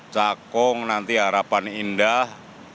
cakung nanti harapan indah